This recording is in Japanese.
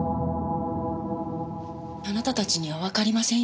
あなたたちにはわかりませんよ